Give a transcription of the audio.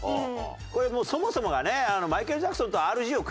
これもうそもそもがねマイケル・ジャクソンとＲＧを。